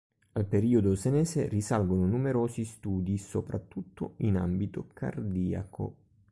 Al periodo senese risalgono numerosi studi, soprattutto in ambito cardiaco.